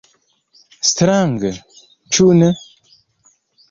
Strange, ĉu ne?